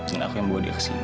dan aku yang bawa dia kesini